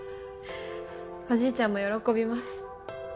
おじいちゃんも喜びます。